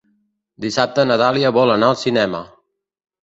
Dissabte na Dàlia vol anar al cinema.